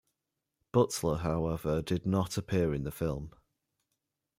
Butler, however, did not appear in the film.